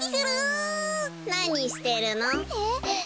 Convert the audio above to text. なにしてるの？え。